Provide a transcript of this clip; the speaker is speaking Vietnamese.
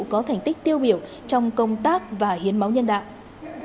có thành tích tiêu biểu trong công tác và hiến máu nhân đạo